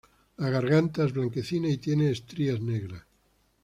La garganta es blanquecina y tiene estrías negras.